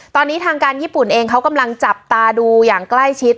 ตอนนี้ทางการญี่ปุ่นเองเขากำลังจับตาดูอย่างใกล้ชิด